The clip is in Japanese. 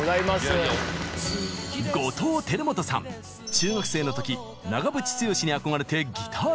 中学生の時長渕剛に憧れてギター